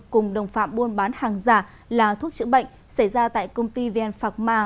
cùng đồng phạm buôn bán hàng giả là thuốc chữa bệnh xảy ra tại công ty vn phạc ma